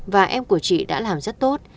và em của chị đã làm rất tốt